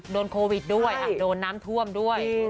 โดนโควิดด้วยโดนน้ำท่วมด้วย